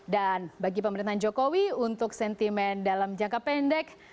dan bagi pemerintahan jokowi untuk sentimen dalam jangka pendek